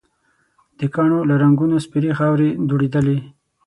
د کاڼو له رنګونو سپېرې خاورې دوړېدلې.